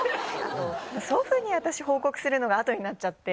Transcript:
祖父に私報告するのが後になっちゃって。